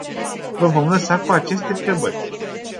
Vă vom lăsa cu aceste întrebări.